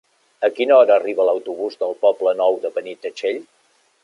A quina hora arriba l'autobús del Poble Nou de Benitatxell?